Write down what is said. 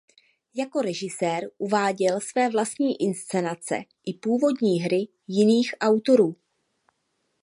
Jako režisér uváděl své vlastní inscenace i původní hry jiných autorů.